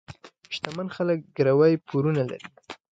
شتمن خلک ګروۍ پورونه لري.